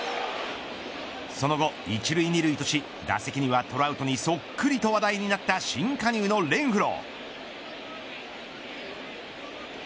その後１塁２塁とし打席には、トラウトにそっくりと話題になった新加入のレンフロー。